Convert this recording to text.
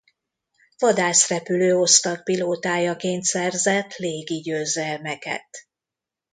Vadászrepülő Osztag pilótájaként szerzett légi győzelmeket.